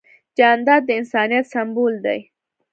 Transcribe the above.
جانداد د انسانیت سمبول دی.